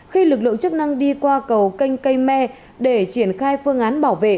khi lực lượng chức năng đi qua cầu canh cây me để triển khai phương án bảo vệ